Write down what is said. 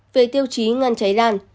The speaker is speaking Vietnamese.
về tiêu chí ngăn cháy lan